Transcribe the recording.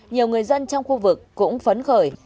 nhiều người dân trong khu vực cũng phấn khởi